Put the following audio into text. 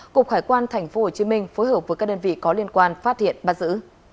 cục hải quan tp hcm phối hợp với các đơn vị có liên quan phát hiện bắt giữ